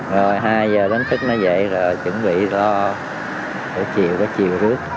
rồi hai h đến thức nó dậy rồi chuẩn bị cho chiều rước